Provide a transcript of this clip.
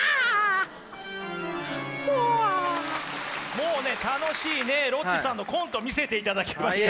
もうね楽しいねロッチさんのコント見せていただきました。